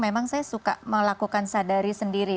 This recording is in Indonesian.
memang saya suka melakukan sadari sendiri